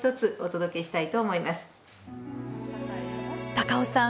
高尾さん